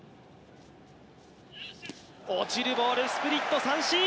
落ちるボール、スプリット三振。